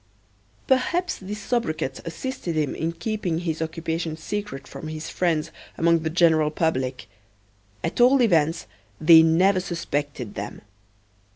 Perhaps this sobriquet assisted him in keeping his occupation secret from his friends among the general public. At all events they never suspected them.